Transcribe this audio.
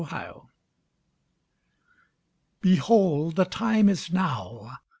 THE FOLD Behold, The time is now!